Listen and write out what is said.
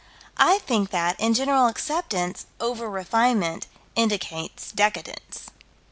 I think that, in general acceptance, over refinement indicates decadence.